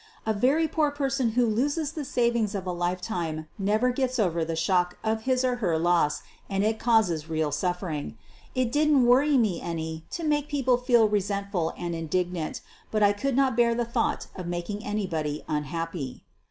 A very poor person who loses the savings of a lifetime never gets over the shock of his or her loss and it causes real suffering. It didn't worry me any to make people feel resentful and indignant, but I could not bear the thought of making anybody unhappy.